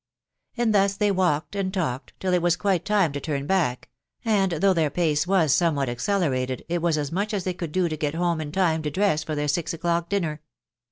And thus they walked and talked, till it was quite time to turn back ; and though their pace was somewhat accelerated, it was as much as they could do to get home in time to dress for their six o'clock dinner.